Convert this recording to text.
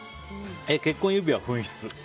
結婚指輪紛失。